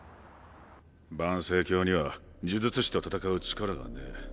盤星教には呪術師と戦う力がねぇ。